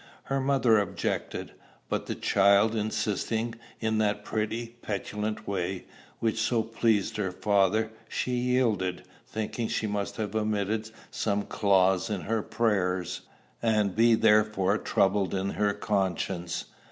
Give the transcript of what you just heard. Her mother objected; but the child insisting, in that pretty, petulant way which so pleased her father, she yielded, thinking she must have omitted some clause in her prayers, and be therefore troubled in her conscience.